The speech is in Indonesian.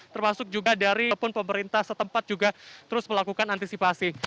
termasuk juga dari pun pemerintah setempat juga terus melakukan antisipasi